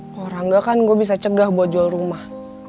kalo orang gak kan gue bisa cegah buat jual rumah